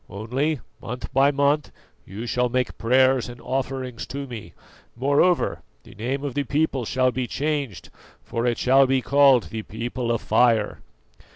Only, month by month you shall make prayers and offerings to me; moreover, the name of the people shall be changed, for it shall be called the People of Fire.